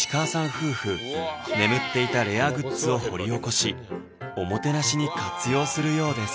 夫婦眠っていたレアグッズを掘り起こしおもてなしに活用するようです